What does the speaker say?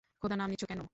খোদার নাম নিচ্ছ কেন?